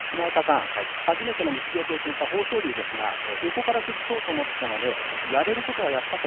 初めて結びを経験した豊昇龍横から崩そうと思ったのでやれることはやったと。